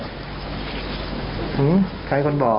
หื้มใครควรบอก